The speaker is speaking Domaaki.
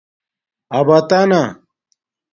اباتݳنہ